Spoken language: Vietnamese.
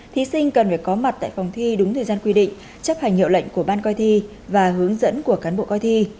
thí sinh cần phải có mặt tại phòng thi đúng thời gian quy định chấp hành hiệu lệnh của ban coi thi và hướng dẫn của cán bộ coi thi